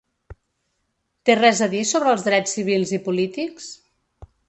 Té res a dir sobre els drets civils i polítics?